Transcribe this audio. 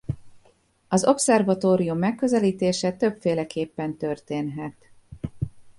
Az obszervatórium megközelítése többféleképpen történhet.